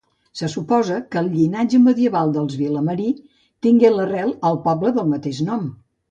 Se suposa que el llinatge medieval dels Vilamarí tingué l'arrel al poble del mateix nom.